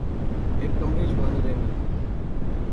ہک کمرے اچ بانو رہنی